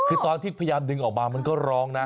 คือตอนที่พยายามดึงออกมามันก็ร้องนะ